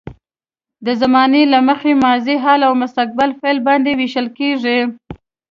د زمانې له مخې ماضي، حال او مستقبل فعل باندې ویشل کیږي.